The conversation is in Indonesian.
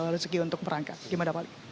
rezeki untuk berangkat gimana pak